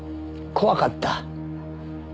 怖かった？